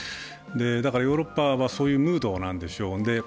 だから、ヨーロッパはそういうムードなんでしょう。